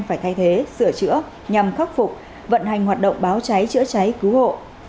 phải thay thế sửa chữa nhằm khắc phục vận hành hoạt động báo cháy chữa cháy cứu hộ